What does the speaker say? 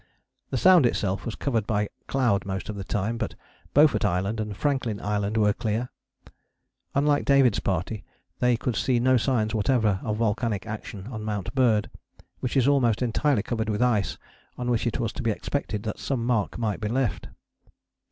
The Sound itself was covered by cloud most of the time, but Beaufort Island and Franklin Island were clear. Unlike David's party, they could see no signs whatever of volcanic action on Mount Bird, which is almost entirely covered with ice on which it was to be expected that some mark might be left.